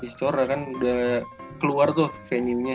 istora kan udah keluar tuh venue nya